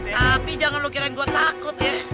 tapi jangan lu kirain gua takut ya